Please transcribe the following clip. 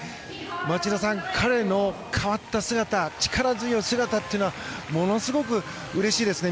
町田さん、彼の変わった姿力強い姿というのはものすごくうれしいですね。